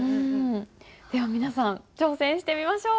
では皆さん挑戦してみましょう。